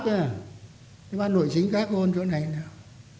cái ban nội chính các ôn chỗ này nào